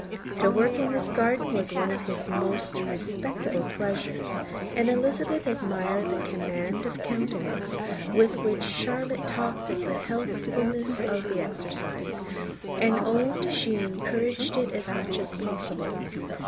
To work in his garden was one of his most respectable pleasures; and Elizabeth admired the command of countenance with which Charlotte talked of the healthfulness of the exercise, and owned she encouraged it as much as possible.